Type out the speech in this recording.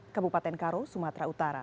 kabupaten karo sumatera utara